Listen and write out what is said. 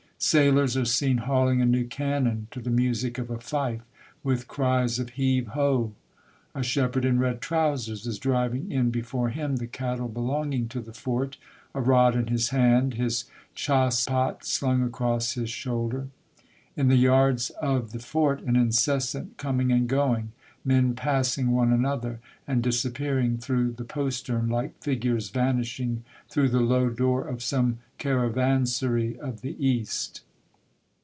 Sailors are seen hauling a new cannon to the music of a fife, with cries of " Heave ho !" A shepherd in red trousers is driving in before him the cattle belonging to the fort, a rod in his hand, his chassepot slung across his shoulder. In the yards of the fort an incessant coming and going, men passing one another, and disappearing through the postern like figures vanishing through the low door of some caravansary of the East.